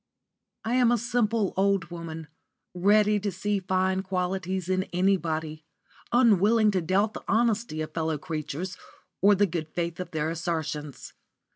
*_ I am a simple old woman, ready to see fine qualities in anybody, unwilling to doubt the honesty of fellow creatures or the good faith of their assertions.